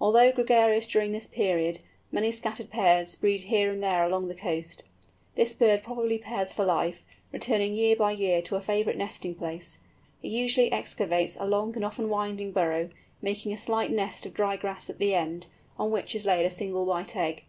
Although gregarious during this period, many scattered pairs breed here and there along the coast. The bird probably pairs for life, returning year by year to a favourite nesting place. It usually excavates a long and often winding burrow, making a slight nest of dry grass at the end, on which is laid a single white egg.